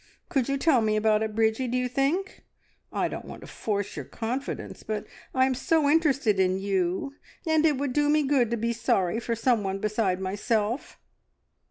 Could you tell me about it, Bridgie, do you think? I don't want to force your confidence, but I am so interested in you, and it would do me good to be sorry for someone beside myself.